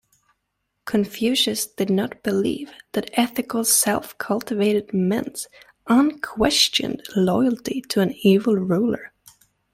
Confucius did not believe that ethical self-cultivation meant unquestioned loyalty to an evil ruler.